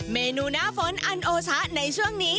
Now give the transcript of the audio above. เมนูหน้าฝนอันโอชะในช่วงนี้